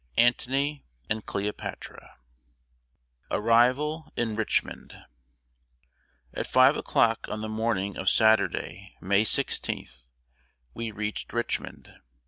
ANTONY AND CLEOPATRA. [Sidenote: ARRIVAL IN RICHMOND.] At 5 o'clock on the morning of Saturday, May 16th, we reached Richmond.